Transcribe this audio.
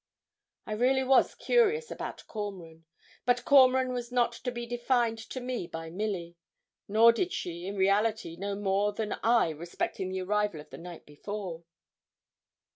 I really was curious about Cormoran; but Cormoran was not to be defined to me by Milly; nor did she, in reality, know more than I respecting the arrival of the night before.